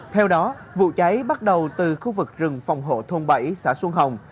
theo đó vụ cháy bắt đầu từ khu vực rừng phòng hộ thôn bảy xã xuân hồng